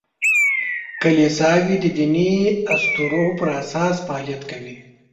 کلیساوې د دیني اسطورو پر اساس فعالیت کوي.